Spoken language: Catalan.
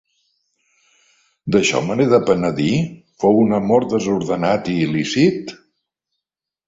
D’això, me n’he de penedir? Fou un amor desordenat i il·lícit?